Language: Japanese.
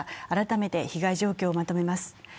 改めて被害状況をまとめます。